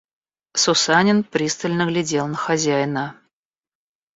Сусанин пристально глядел на хозяина.